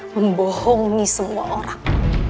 membohongi semua orang